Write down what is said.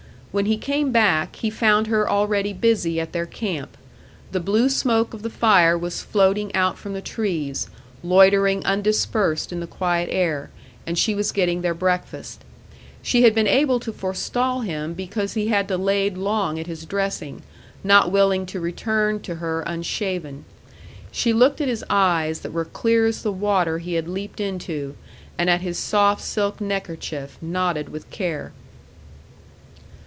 When he came back, he found her already busy at their camp. The blue smoke of the fire was floating out from the trees, loitering undispersed in the quiet air, and she was getting their breakfast. She had been able to forestall him because he had delayed long at his dressing, not willing to return to her unshaven. She looked at his eyes that were clear as the water he had leaped into, and at his soft silk neckerchief, knotted with care.